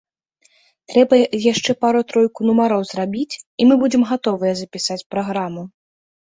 Трэба яшчэ пару-тройку нумароў зрабіць і мы будзем гатовыя запісаць праграму.